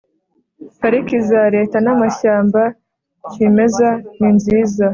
pariki za Leta n amashyamba kimeza ninziza